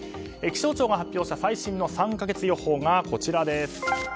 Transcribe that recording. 気象庁が発表した最新の３か月予報です。